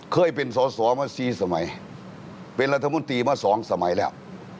เคยเป็นสอสอมา๔สมัยเป็นรัฐมนตรีมาสองสมัยแล้ว